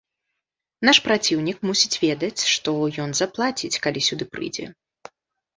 Наш праціўнік мусіць ведаць, што ён заплаціць, калі сюды прыйдзе.